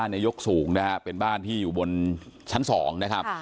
นายกสูงนะฮะเป็นบ้านที่อยู่บนชั้น๒นะครับ